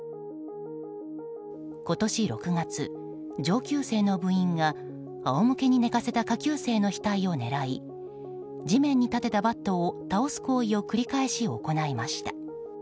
今年６月、上級生の部員があおむけに寝かせた下級生の額を狙い地面に立てたバットを倒す行為を繰り返し行いました。